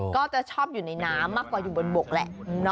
ก็จะชอบอยู่ในน้ำมากกว่าอยู่บนบกแหละ